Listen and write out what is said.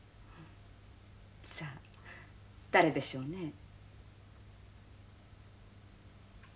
さあ誰でしょうね？